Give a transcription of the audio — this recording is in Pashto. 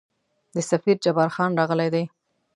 د سفیر جبارخان راغلی دی.